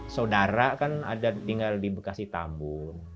saudara kan ada tinggal di bekasi tambun